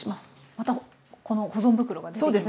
またこの保存袋が出てきましたね。